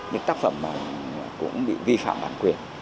những tác phẩm cũng bị vi phạm bản quyền